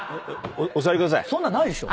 そんなんないでしょ！